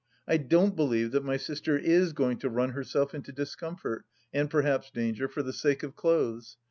I don't believe that my sister is going to run herself into discomfort, and perhaps danger, for the sake of clothes.